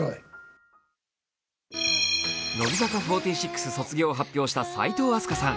乃木坂４６卒業を発表した齋藤飛鳥さん。